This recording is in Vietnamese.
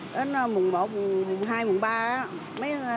đến mùng một mùng hai mùng ba á